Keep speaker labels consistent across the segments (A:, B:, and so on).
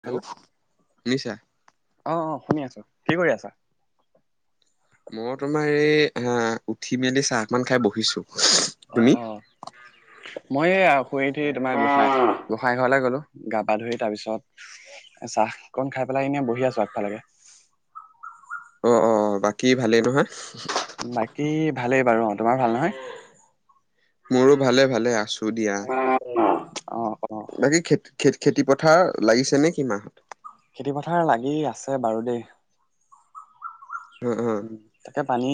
A: Hello শুনিছা?
B: অ' অ' শুনি আছোঁ, কি কৰি আছা?
A: মই তোমাৰ এই আহ উঠি মেলি চাহ অকমান খাই বহিছোঁ।
B: অ' অ' মই এইয়া শুই উঠি তোমাৰ গোসাঁই গোসাঁইঘৰলৈ গ'লো, গা পা ধুই তাৰপিছত চাহ কন খাই পেলাই এনেই বহি আছোঁ আগফালে।
A: অ' অ' বাকী ভালেই নহয়?
B: বাকী ভালেই বাৰু, অ' তোমাৰ ভাল নহয়।
A: মোৰো ভালে ভালে আছোঁ।
B: [unintelligible] অ' অ
A: বাকী খেতি খ খেতি পথাৰ লাগিছে নে কি মানুহ?
B: খেতি পথাৰ লাগি আছে বাৰু দেই।
A: উম, উম।
B: তাকে পানী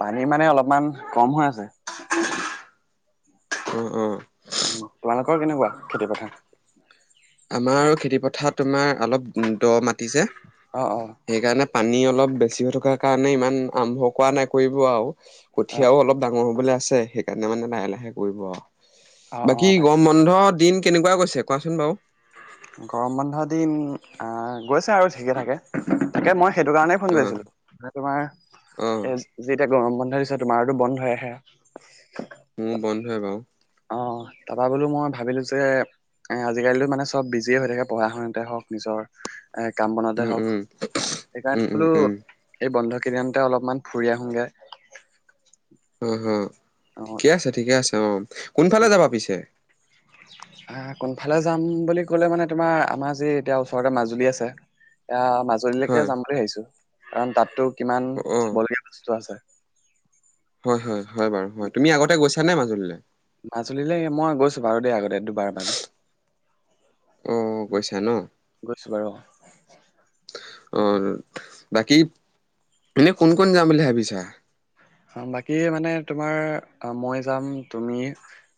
B: পানী মানে অলপমান কম হৈ আছে।
A: অ', অহ'
B: উম, তোমালোকৰ কেনেকুৱা খেতি পথাৰ।
A: আমাৰ খেতিপথাৰত তোমাৰ অলপ দ মাটিৰ যে।
B: অ' অ'
A: সেইকাৰণে পানী অলপ বেছি হৈ থকাৰ কাৰণে ইমান আৰম্ভ কৰা নাই, কৰিব আৰু
B: অ
A: কঠীয়াও অলপ ডাঙৰ হ'বলৈ আছে, সেইকাৰণে মানে লাহে লাহে কৰিব
B: অ
A: আৰু
B: অ
A: বাকী
B: তাক
A: গৰম বন্ধ দিন কেনেকুৱা গৈছে, কোৱাচোন বাৰু?
B: গৰম বন্ধৰ দিন আহ গৈছে আৰু ঠিকে থাকে, তাকে মই সেইটো কাৰণে ফোন কৰি
A: অ',
B: আছিলি মানে তোমাৰ
A: অ',
B: এ যেতিয়া গৰম বন্ধ দিছে তোমাৰোতো বন্ধ হৈ হে।
A: মোৰৰ বন্ধ বাৰু।
B: অহ' তাৰাপা বোলো মই ভাবিলোঁ যে এ আজিকালিতো মানে চ'ব বিজিয়ে হৈ থাকে, পঢ়া শুনাতে হওঁক নিজৰ এ কাম বনওঁতে
A: উম,
B: হওঁক,
A: উম। উম,
B: সেইকাৰণে
A: উম,
B: বোলো
A: উম,
B: এই বন্ধ কেইদিনতে অলপমান ফুৰি আহোগে।
A: অ' অ'
B: অ
A: ঠিকে আছে, ঠিকে আছে, অ' কোনফালে যাবা পিছে?
B: আহ কোনফালে যাম বুলি ক'লে মানে তোমাৰ আমাৰ যে এতিয়া ওচৰতে মাজুলী আছে। এ মাজুলীলৈকে
A: হয়,
B: যাম বুলি ভাবিছো কাৰণ তাতো কিমান
A: অ',
B: চাবলগীয়া বস্তু আছে।
A: হয়, হয়, হয় বাৰু হয় তুমি আগতে গৈছা নে মাজুলীলৈ?
B: মাজুলীলৈ মই গৈছো বাৰু দেই আগতে দুবাৰমান।
A: আহ কৈছা ন
B: গৈছো বাৰু অ
A: অ'। বাকী এনেই কোন কোন যাম বুলি ভাবিছা?
B: বাকী মানে তোমাৰ মই যাম তুমি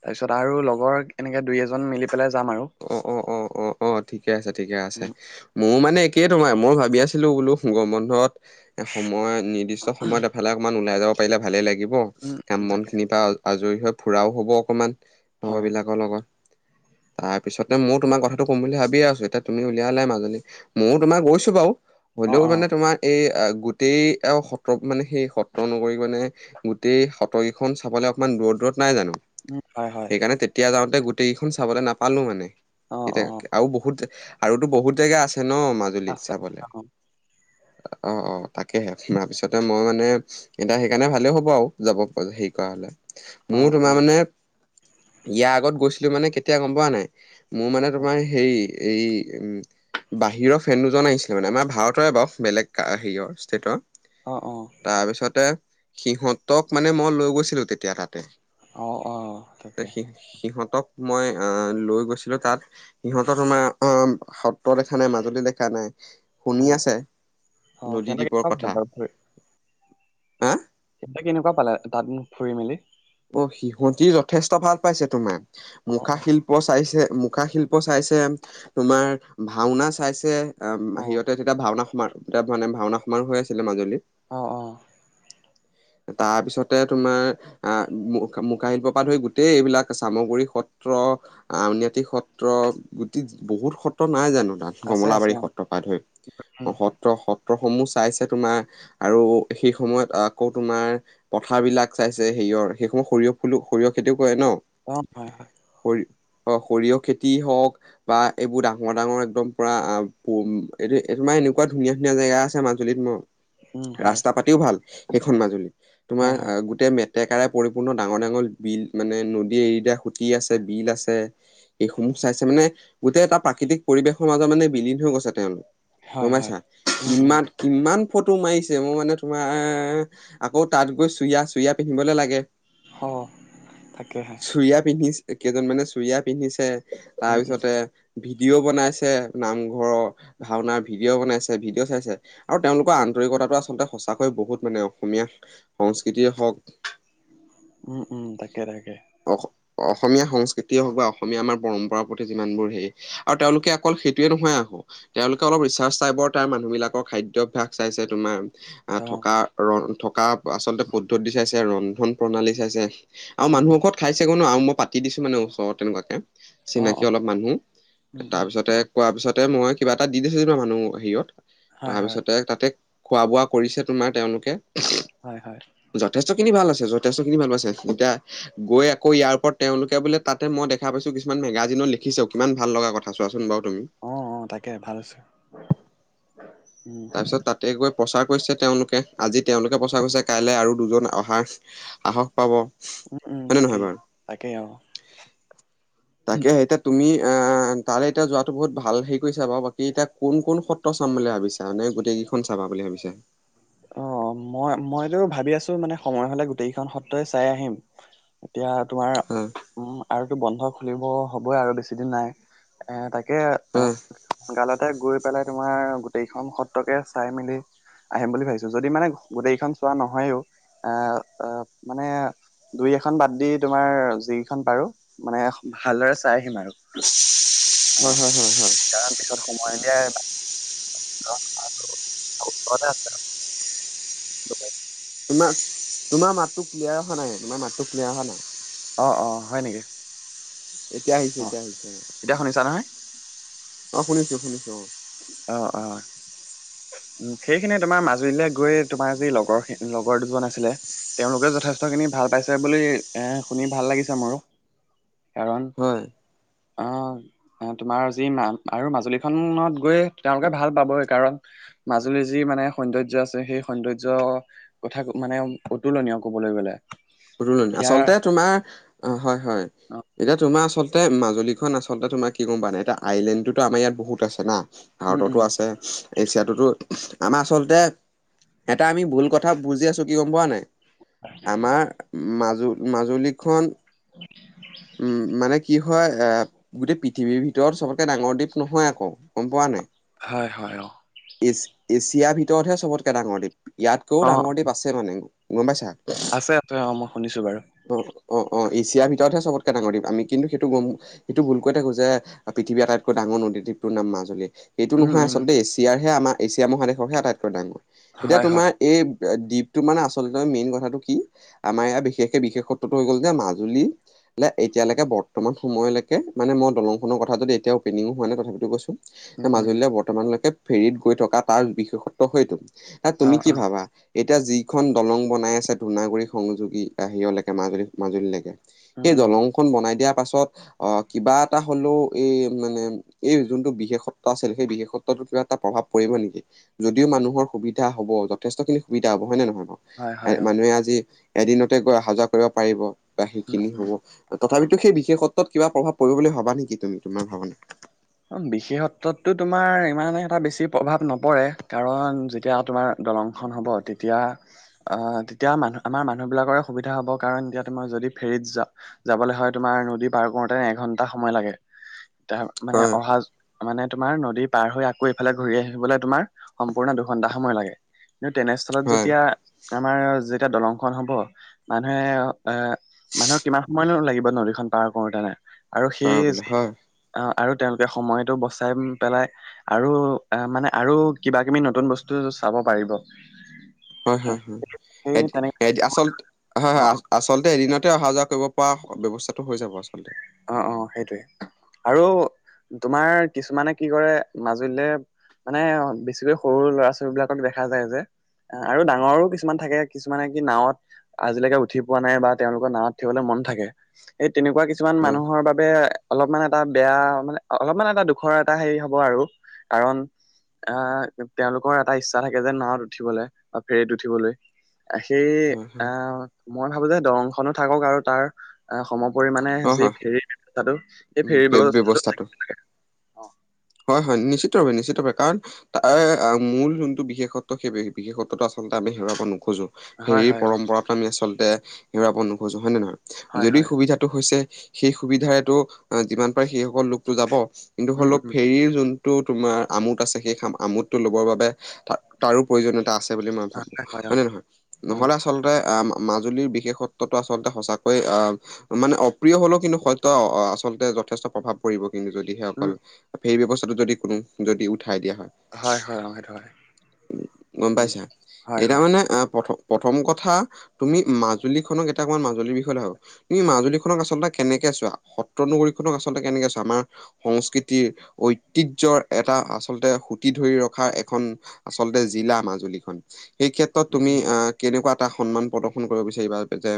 B: তাৰপিছত আৰু লগৰ এনেকে দুই এজন মিলি পেলাই যাম আৰু
A: অ', অ', অ', অ', অ' ঠিকে আছে, ঠিকে আছে।
B: উম
A: ময়ো মানে একেই তোমাৰ মই ভাবি আছিলো বোলো গৰম বন্ধত এ সময় নিৰ্দিষ্ট সময়ত ফালে অকণমান ওলাই যাব পাৰিলে ভালেই লাগিব
B: উম
A: কাম
B: উম,
A: বন
B: তাকে
A: খিনিৰ পৰা আজৰি হৈ ফুৰাও হ'ব অকণমান
B: হয় হয়
A: লগৰবিলাকৰ লগত। তাৰপিছতে ময়ো তোমাৰ কথাটো কম বুলি ভাবিয়ে আছো এতিয়া তুমি উলিয়লাই মাজুলি ময়ো তোমাৰ গৈছো বাৰু।
B: অ
A: হলেও
B: অ
A: মানে তোমাৰ এই গোটেই আৰু সত্ৰ মানে সেই সত্ৰ নগৰি মানে গোটেই সত্ৰকেইখন চাবলৈ অকমান দূৰত দূৰত নাই জানো।
B: উম, হয়, হয়।
A: এনেই তেতিয়া যাওঁতে গোটেইকেইখন চাবলৈ নাপালো মানে।
B: অ', অ'।
A: এতিয়া আৰু বহুত আৰুতো বহুত জেগা আছে ন মাজুলীত
B: আছে
A: চাবলে।
B: অ
A: অ', অ' তাকেহে তাৰ পিছতে মই মানে এতিয়া সেইকাৰণে ভালেও হ'ব আৰু যাব হেৰি কৰা হলে
B: অ
A: মোৰ
B: অ
A: তোমাৰ মানে ইয়াৰ আগত গৈছিলো মানে কেতিয়া গম পোৱা নাই মোৰ মানে তোমাৰ হেৰি এই উ বাহিৰৰ ফেন দুজন আহিছিলে মানে আমাৰ ভাৰতৰে বাৰু বেলেগ হেৰিয়ৰ ষ্টেটৰ।
B: অ', অ'।
A: তাৰ পিছতে সিহঁতক মানে মই লৈ গৈছিলো তেতিয়া তাতে।
B: অ অ তাকে
A: সি-সিহঁতক মই অ' লৈ গৈছিলো তাত সিহঁতৰ তোমাৰ সত্ৰ দেখা, নাই মাজুলী দেখা নাই
B: অ
A: শুনি আছে
B: অ
A: নদী
B: সিহঁতে
A: দ্বীপৰ
B: কেনেকুৱা পালে
A: কথা।
B: বাৰু ফুৰি
A: হা
B: [unintelligible] কেনেকুৱা পালে তাত ফুৰি মেলি?
A: অ' সিহঁতি যথেষ্ট ভাল পাইছে তোমাৰ
B: অ
A: মুখা
B: অ
A: শিল্প শিল্প চাইছে, মুখা শিল্প চাইছে। তোমাৰ ভাওনা চাইছে আহ
B: অ
A: সিহতে তেতিয়া ভাওনা সমানয়া মানে ভাওনা সমান হৈ আছিলে মাজুলীত।
B: অ', অ'।
A: তাৰপিছতে তোমাৰ আহ মু-মুখা শিল্পৰ পৰা ধৰি গোটেই এইবিলাক চামগু সত্ৰ আউনাআটি সত্ৰ গট বহুত সত্ৰ নাই জানো তাত।
B: আছে আছে
A: কমলাবাৰী
B: অ
A: সত্ৰপাত হৈ
B: উম
A: সত স-সত্ৰসমূহ চাইছে তোমাৰ আৰু সেই সময়ত আকৌ তোমাৰ পথাৰ বিলাক চাইছে হেৰিয়ৰ সেইসময় সৰিয়হ ফুলো সৰিয়হ খেতিও কৰে ন।
B: অ' হয়, হয়।
A: সৰি অ' সৰিয়হ খেতিয় হওক বা এইবোৰ ডাঙৰ ডাঙৰ একদম পুৰা এইটো তোমাৰ এনেকুৱা ধুনীয়া ধুনীয়া জেগা আছে মান মাজুলীত
B: উম হয়
A: ৰাস্তা পাতিও ভাল সেইখন মাজুলী তোমাৰ
B: হয় হয়
A: গোটেই মেটেকাৰে পৰিপূৰ্ণ ডাঙৰ ডাঙৰ বিল মানে নদীয়ে এৰি দিয়া সুতি আছে বিল আছে। এইসমূহ চাইছে মানে গোটেই এটা প্ৰাকৃতিক পৰিৱেশৰ মাজত মানে বিলীন হৈ গৈছে তেওঁলোক।
B: হয়
A: গম
B: হয়
A: পাইছা
B: উম উম
A: কিমান কিমান ফটো মাৰিছে মই মানে তোমাৰ আকৌ তাত গৈ চুৰিয়া চুৰিয়া পিন্ধিবলৈ লাগে।
B: অ' থাকেহে।
A: চুৰিয়া পিন্ধিছে কেইজন মানে চুুৰিয়া পিন্ধিছে
B: উম উম
A: তাৰপিছতে ভিডিঅ' বনাইছে নামঘৰৰ। ভাওনাৰ ভিডিঅ' বনাইছে ভিডিঅ' চাইছে আৰু তেওঁলোকৰ আন্তৰিকতাটো আচলতে সঁচাকৈ বহুত মানে, অসমীয়া সংস্কৃতিয়ৰে হওক,
B: উম, উম ল, তাকে-তাকে।
A: অ', অসমীয়া সংস্কৃতিয়ে হওক বা অসমীয়া আমাৰ পৰম্পৰাৰ প্ৰতি যিমানবোৰ হেই আৰু তেওঁলোকে অকল সেইটোৱে নহয় আহো, তেওঁলোকে অলপ ৰিচাৰ্চ টাইপৰ তাৰ মানুহ বিলাকৰ খাদ্যাভ্যাস চাইছে তোমাৰ আহ
B: অ
A: থকা, ৰ থকা আচলতে ফুদ্ধতি দি চাইছে ৰন্ধন প্ৰণালী চাইছে আৰু
B: উম
A: মানুহ
B: উম
A: লগত ঠাইছেগৈ ন আৰু মই পাতি দিছোঁ মানে ওচৰত তেনেকুৱাকৈ
B: অ অ
A: চিনাকি অলপ মানুহ
B: উম উম
A: তাৰপিছতে কৰোৱা পিছতে মই কিবা এটা দি দিছোঁৰ মানুহ হেৰিত
B: হয় হয়
A: তাৰপিছতে তাতে, খোৱা বোৱা কৰিছে তোমাৰ তেওঁলোকে।
B: হয়-হয়।
A: যথেষ্টখিনি ভাল আছে, যথেষ্টখিনি ভাল পাইছে। এতিয়া গৈ আকৌ ইয়াৰ ওপৰত তেওঁলোকে বোলো মই দেখা পাইছো কিছুমান মেগাজিনত লিখিছো কিমান ভাল লগা কথা। ভাল চোৱা চোন বাৰু তুমি।
B: অ অ, তাকে ভাল আছে। উম,
A: তাৰপিছত তাতে গৈ প্ৰচাৰ কৰিছে। তেওঁলোকে আজি তেওঁলোকে প্ৰচাৰ কৰিছে। কাইলৈ আৰু দুজন অহাৰ, সাহস পাব।
B: উম, উম,
A: নে নহয়
B: তাকেই
A: বাৰু?
B: তাকেই অ',
A: তাকে এতিয়া তুমি অ, তাৰে এতিয়া যোৱাতটো বহুত ভাল হেৰি কৰিছা বাৰু বাকী এতিয়া কোন-কোন সত্ৰ চাম বুলি ভাবিছ? তাৰ মানে গোটেইকেইখন চাবা বুলি ভাবিছা।
B: অ, মই মইতো ভাবি আছো মানে সময় হলে গোটেইকেইখন সত্ৰই চাই আহিম। এতিয়া তোমাৰ
A: হয়
B: উম, আৰু তো বন্ধ খুলিব হ'বই আৰু বেছি দিন নাই এ তাকে।
A: হয়
B: সকালতে গৈ পেলাই তোমাৰ গোটেইখন সত্ৰকে চাই মেলি আহিম বুলি ভাবিছো। যদি মানে গোটেইখন চোৱা নহয়ও আহ, মানে দুই এখন বাদ দি তোমাৰ যিকেইখন পাৰো, মানে ভালদৰে চাই আহিম আৰু। অ,
A: হয় হয় হয় হয়
B: কাৰণ পিছত সময় উলিয়াই। আ [unintelligible]
A: আমাৰ [unintelligible] তোমাৰ মাতটো ক্লিয়াৰ অহা নাই, তুমাৰ মাতটো ক্লিয়াৰ অহা নাই।
B: অ, অ, হয় নেকি?
A: এতিয়া আহিছে,
B: অ
A: এতিয়া আহিছে।
B: এতিয়া শুনিছা নহয়।
A: অ, শুনিছো-শুনিছো অ,
B: অ, অ, উ সেইখিনিয়ে তোমাৰ মাজুলীলৈ গৈ তোমাৰ যি লগৰখি লগৰ দুজন আছিলে। তেওঁলোকেও যথেষ্টখিনি ভাল পাইছে বুলি এ শুনি ভাল লাগিছে মোৰো। কাৰণ
A: হয়।
B: অ, তোমাৰ যি আৰু মাজুলীখনত গৈ তেওঁলোকে ভাল পাবই কাৰণ মাজুলীৰ যি মানে সৌন্দৰ্য আছে সেই সৌন্দৰ্য। কথা মানে অতুলনীয় কবলে গলে।
A: আচলতে
B: ইয়াৰ
A: তোমাৰ অ, হয়-হয়।
B: অ
A: এতিয়া তোমাৰ আচলতে মাজুলীখন আচলতে তোমাৰ কি গম পোৱা নাই এতিয়া আইলেণ্ডটো আমাৰ ইয়াত বহুত আছে না।
B: উম উম
A: ভাৰততো আছে। এছিয়াটোতো আমাৰ আচলতে এটা আমি ভুল কথা বুজি আছোঁ কি গম পোৱা নাই? আমাৰ মাজু- মাজুলীখন
B: [inaudible]
A: উম, মানে কি হয় এ গোটেই পৃথিৱীৰ ভিতৰত চবতকে ডাঙৰ দ্বীপ নহয় আকৌ গম পোৱা নাই।
B: হয়-হয় অ,
A: এ -এছিয়াৰ ভিতৰতহে সবতকে ডাঙৰ দ্বীপ,
B: অ
A: ইয়াতকৈও ডাঙৰ দ্বীপ আছে মানে। গম পাইছা।
B: আছে, আছে, অ', মই শুনিছো বাৰু।
A: অ', অ', অ', এছিয়াৰ ভিতৰতহে সবতকে ডাঙৰ দ্বীপ, আমি কিন্তু সেইটো গম সেইটো ভুলকৈ থাকো যে পৃথিৱীৰ আটাইতকৈ ডাঙৰ নদীদ্বীপটোৰ নাম মাজুলী। এইটো
B: উম
A: নহয়
B: উম
A: আচলতে, এছিয়াৰ হে আমাৰ এছিয়া মহাদেশৰহে আটাইতকৈ ডাঙৰ। এতিয়া
B: হয় হয়
A: তোমাৰ এই দ্বীপটো মানে আচলতে মেইন কথাটো কি আমাৰ ইয়াৰ বিশেষকৈ বিশেষত্বটো হৈ গ'ল যে মাজুলী এতিয়ালৈকে বৰ্তমান সময়লৈকে মানে মই দলংখনৰ কথা যদি এতিয়া অপেনিঙো হোৱা নাই তথাপিতো কৈছো
B: উম উম
A: মাজুলীয়ে বৰ্তমানলৈকে ফেৰিত গৈ থকা তাৰ বিশেষত্ব সেইটো। না
B: অ
A: তুমি কি
B: অ
A: ভাবা? এতিয়া যিখন দলং বনাই আছে ধূনাগুৰি সংযোগী তাহিৰলৈকে মাজুলী মাজুলীলৈকে
B: উম
A: সেই
B: উম
A: দলংখন বনাই দিয়া পাছত অ', কিবা এটা হ'লেও এই মানে এই যোনটো বিশেষত্ব আছিল সেই বিশেষত্বটোত কিবা এটা প্ৰভাৱ পৰিব নেকি, যদিও মানুহৰ সুবিধা হ'ব যথেষ্ট খিনি সুবিধা হ'ব হয় নে নহয় বাৰু
B: হয় হয় অ
A: মানুহে আজি এদিনতে গৈ অহা-যোৱা কৰিব পাৰিব বা
B: উম
A: সেইখিনি
B: উম
A: হ'ব। তথাপিতো সেই বিশেষত্বত কিবা প্ৰভাৱ পৰিব বুলি ভাবা নেকি তুমি, তোমাৰ ভাৱনা?
B: অ', বিশেষত্বততো তোমাৰ ইমানে এটা বেছি প্ৰভাৱ নপৰে, কাৰণ যেতিয়া তোমাৰ দলংখন হ'ব, তেতিয়া আহ তেতিয়া মানুহ আমাৰ মানুহবিলাকৰে সুবিধা হ'ব কাৰণ তেতিয়া মই যদি ফেৰীত যাওঁ যাবলৈ হয় তোমাৰ নদী পাৰ কৰোতে এঘন্টা সময় লাগে, এতিয়া মানে
A: হয়
B: অহা মানে তোমাৰ নদী পাৰ হৈ আকৌ এইফালে ঘূৰি আহিবলৈ তোমাৰ সম্পূৰ্ণ দুঘন্টা সময় লাগে। কিন্তু তেনেস্থলত
A: হয়
B: যেতিয়া আমাৰ যেতিয়া দলংখন হ'ব, মানুহে এ মানুহৰ কিমান সময়মান লাগিব নদীখন পাৰ কৰোতে আৰু
A: হয়
B: সেই
A: বোলে
B: যি
A: হয়
B: আৰু তেওঁলোকে সময়টো বচাই পেলাই আৰু আহ মানে আৰু কিবা কিবি নতুন বস্তু চাব পাৰিব।
A: হয়, হয়, হয়,
B: সেই তেনেকে
A: এ আচল হয়,
B: অ
A: হয়, আচলতে এদিনতে অহা যোৱা কৰিব পৰা ব্যৱস্থাটো হৈ যাব আচলতে।
B: অ', অ', সেইটোৱে আৰু তোমাৰ কিছুমানে কি কৰে মাজুলীলে মানে বেছিকৈ সৰু ল'ৰা -ছোৱালী বিলাকক দেখা যায় যে। আৰু ডাঙৰো কিছুমান থাকে কিছুমানে কি নাওত আজিলৈকে উঠি পোৱা নাই বা তেওঁলোকৰ নাৱত থিয় হ'বলৈ মন থাকে, সেই তেনেকুৱা কিছুমান
A: হয়
B: মানুহৰ বাবে অলপমান এটা বেয়া মানে অলপমান এটা দুখৰ এটা হেৰি হ'ব আৰু কাৰণ আহ তেওঁলোকৰ এটা ইচ্ছা থাকে যে নাওত উঠিবলৈ বা ফেৰিত উঠিবলৈ সেই
A: হয় হয়
B: আহ মই ভাবো যে দলংখনো থাকক আৰু তাৰ সমোপৰি
A: হয়
B: যি
A: হয়
B: ফেৰী ব্যৱস্থাটো, সেই
A: উম
B: ফেৰী
A: সেই
B: ব্যৱস্থাটো অ,
A: হয়, হয়, নিশ্চিতভাৱে, নিশ্চিতভাৱে, কাৰণ তাৰ মূল যোনটো বিশেষত্ব, সেই বিশেষত্বটো আচলতে আমি হেৰুৱাব নোখোজো।
B: হয়
A: হেৰিৰ
B: হয় অ
A: পৰম্পৰাটো আমি আচলতে হেৰুৱাব নোখোজো হয় নে নহয়,
B: হয়
A: যদি
B: হয়
A: সুবিধা হৈছে, সেই সুবিধাৰেটো যিমান পাৰে সেইসকল লোকটো যাব কিন্তু
B: উম
A: হ'লেও
B: উম
A: ফেৰিৰ যোনটো টো তোমাৰ আমোদ আছে সেই আম আমোদ টো ল'বৰ বাবে ত তাৰো প্ৰয়োজনীয়তা আছে। বুলি মই ভাবো, হয় নে নহয়,
B: উম
A: নহ'লে আচলতে আহ মাজুলীৰ বিশেষত্বটো আচলতে সচাকৈ আহ মানে অপ্ৰিয় হ'লেও কিন্তু সত্য, আচলতে যথেষ্ট প্ৰভাৱ পৰিব কিন্তু যদিহে অকল
B: উম
A: সেই ব্যৱস্থাটো যদি কোনো যদি উঠাই দিয়া হয়।
B: হয় অ সেইটো হয়
A: গম
B: উম
A: পাইছা,
B: হয়
A: এতিয়া
B: হয়
A: মানে আহ প্ৰথম প্ৰথম কথা তুমি মাজুলীখনক এটা অকমান মাজুলীৰ বিষয়লৈ আহ এই মাজুলীখনক আচলতে কেনেকে চোৱা, সত্ৰনগৰীখননক আচলতে কেনেকে চোৱা, আমাৰ সংস্কৃতিৰ ঐতিহ্যৰ এটা আচলতে সুতি ধৰি ৰখাৰ এখন আচলতে জিলা মাজুলীখন। সেই ক্ষেত্ৰত
B: উম
A: তুমি আহ, কেনেকুৱা এটা সন্মান প্ৰদৰ্শন কৰিব বিচাৰিবা, যে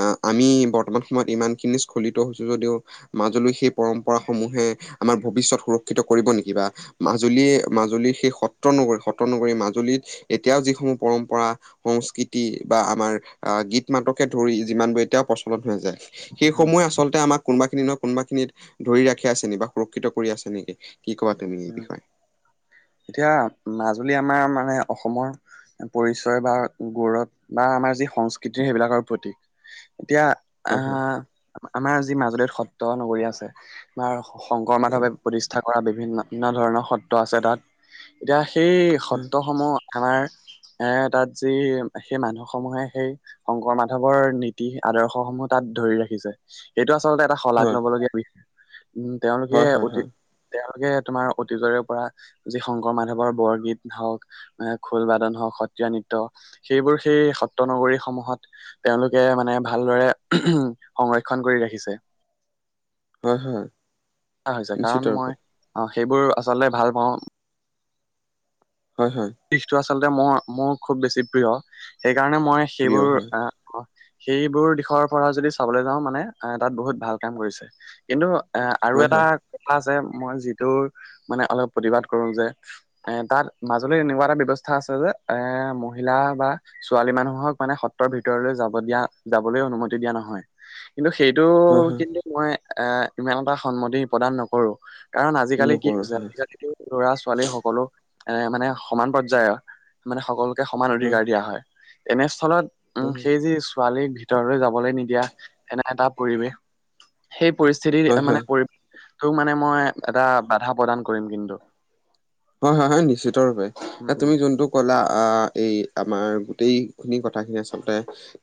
A: আহ আমি অকণমান [unintelligible] সময়ত ইমানখিনি স্খলিত হৈছোঁ যদিও, মাজুলী সেই পৰম্পৰা সমূহে, আমাৰ ভৱিষ্যত সুৰক্ষিত কৰিব নেকি? বা মাজুলীয়ে, মাজুলীৰ সেই সত্ৰ নগৰী, সত্ৰ নগৰী মাজুলীত, এতিয়াও যিসমূহ পৰম্পৰা সংস্কৃতি বা আমাৰ, আহ গীত, নাটককে ধৰি যিমানবোৰ এতিয়া হৈ যায়।
B: উম
A: সেই
B: উম
A: সমুহে আল আচলতে আমাক, কোনোবা খিনি নহয়, কোনোবাখিনিত ধৰি ৰাখি আছে নেকি, বা সুৰক্ষিত কৰি আছে নেকি? কি ক'বা তুমি এই
B: উম
A: বিষয়?
B: এতিয়া, মাজুলী আমাৰ মানে, অসমৰ পৰিচয় বা গৌৱ বা আমাৰ যি সংস্কৃতিৰ, সেইবিলাকৰ প্ৰতীক, এতিয়া
A: হয় হয়
B: আহ, আমাৰ যি মাজুলীত সত্ৰ নগৰীয়া আছে, বা শংকৰ, মাধৱে প্ৰতিষ্ঠা কৰা বিভিন্ন বিভিন্ন ধৰণৰ সত্ৰ আছে তাত, এতিয়া সেই সত্ৰসমূহ আমাৰ এ, তাত যি সেই মানুহ সমূহে, সেই শংকৰ, মাধৱৰ নীতি আদৰ্শ সমূহ তাত ধৰি ৰাখিছে। সেইটো আচলতে এটা শলাগ
A: হয়
B: ল'ব লগীয়া বিষয়, উম, তেওঁলোকে
A: হয় হয়
B: অতি
A: হয়
B: তেওঁলোকে তোমাৰ অতীতৰে পৰা, যি শংকৰ মাধৱৰ বৰগীত হওঁক খোল, বাদন হওঁক, সত্ৰীয়া নৃত্য, সেইবোৰ সেই সত্ৰ নগৰীসমূহত তেওঁলোকে মানে ভালদৰে, উম, সংৰক্ষণ কৰি ৰাখিছে।
A: হয়, হয়।
B: হৈছে,
A: নিশ্চিত
B: কাৰণ
A: ৰূপে
B: মই, অ', সেইবোৰ আচলতে ভাল পাওঁ।
A: হয়, হয়।
B: দিশটো আচলতে মোৰ, মোৰ খুব বেছি প্ৰিয়, সেইকাৰণে মই
A: প্ৰিয়
B: সেইবোৰ
A: হয়
B: অ', সেইবোৰ দিশৰ পৰা যদি চাবলৈ যাওঁ মানে, আহ তাত বহুত ভাল কাম কৰিছে, কিন্তু আৰু
A: হয়
B: এটা
A: হয়
B: কথা আছে, মই যিটো মানে অলপ প্ৰতিবাদ কৰোঁ যে এ, তাত মাজ আচলতে এনেকুৱা এটা ব্যৱস্থা আছে যে, এ, মহিলা বা ছোৱালী মানুহক মানে সত্ৰৰ ভিতৰলৈ যাব দিয়া, যাবলৈ অনুমতি দিয়া নহয়। কিন্তু সেইটো
A: হয় হয়
B: কিন্তু, মই এ, ইমান এটা সন্মতি প্ৰদান নকৰোঁ। কাৰণ আজিকালি কি
A: নকৰো
B: হৈছে,
A: হয়
B: আজিকালি ল'ৰা ছোৱালী সকলো এ, মানে সমান পৰ্যায়ৰ। মানে সকলোকে সমান অধিকাৰ দিয়া হয়, এনেস্থলত
A: হয়
B: সেই যি ছোৱালী ভিতৰলৈ যাবলৈ নিদিয়া এনে এটা পৰিৱেশ, সেই পৰিস্থিতিৰ
A: হয় হয়
B: মানে পৰি টো মানে মই এটা, বাধা প্ৰদান কৰিম কিন্তু।
A: হয়, হয়, হয়, নিশ্চিত ভাবে,
B: উম
A: এ,
B: উম।
A: তুমি যোনটো ক'লা, এই আমাৰ গোটেইখিনি কথাখিনি আচলতে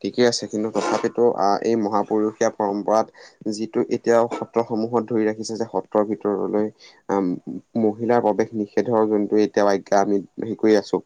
A: ঠিকেই আছে কিন্তু তথাপিতো, আহ, এই মহাপুৰুষীয়া পৰম্পৰাত যিটো এতিয়াও সত্ৰসমূহত ধৰি ৰাখিছে যে, সত্ৰৰ ভিতৰলৈ মহিলাৰ প্ৰৱেশ নিষেধৰ যোনটো এতিয়া আজ্ঞা আমি হেৰি কৰি আছোঁ